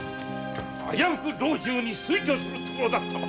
危うく老中に推挙するところだったわ！